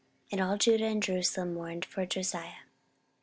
And all Judah and Jerusalem mourned for Josiah.